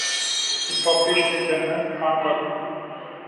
It published a journal, "Concord".